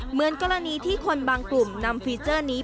เหมือนกรณีที่คนบางกลุ่มนำฟีเจอร์นี้